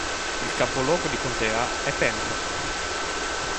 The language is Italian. Il capoluogo di contea è Pembroke.